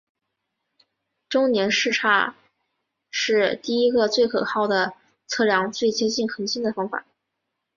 周年视差是第一个最可靠的测量最接近恒星的方法。